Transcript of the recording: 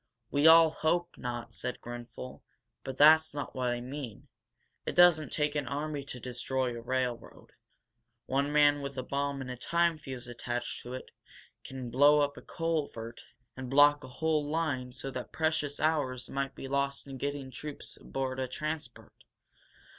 "We all hope not," said Grenfel. "But that's not what I mean. It doesn't take an army to destroy a railroad. One man with a bomb and a time fuse attached to it can blow up a culvert and block a whole line so that precious hours might be lost in getting troops aboard a transport.